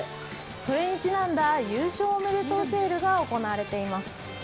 それにちなんだ優勝おめでとうセールが行われています。